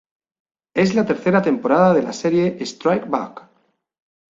Es la tercera temporada de la serie "Strike Back".